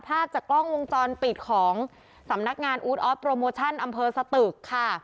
ภาพจากกล้องวงจรปิดของสำนักงานอู๊ดออฟโปรโมชั่นอำเภอสตึกค่ะ